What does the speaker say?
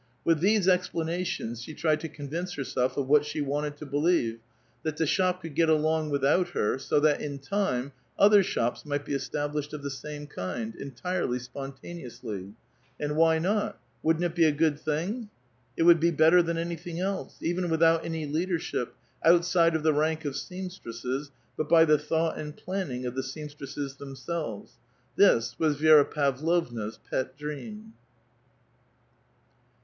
With these exi)lanation8 IS lie tried to convince herself of what she wanted to believe, — 't.tiat the shop could get along without her, so that, in time, other shops might be established of the same kind, entirely e^pontaneously ; and why not? wouldn't it be a good thing? It ipvould be better than anything else ; even without any Xeadership, outside of the rank of seamstresses, but by the 'C^liought and planning of the seamstresses themselves. This ^w^as Vi^ra Pavlovna's pet dream.